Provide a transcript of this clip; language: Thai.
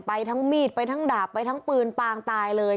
ไปทั้งมีดไปทั้งดาบไปทั้งปืนปางตายเลย